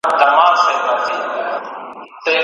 دا وطن به خپل مالک ته تسلمیږي